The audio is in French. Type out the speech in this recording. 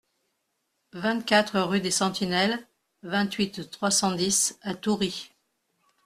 vingt-quatre rue des Sentinelles, vingt-huit, trois cent dix à Toury